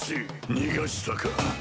逃がしたか！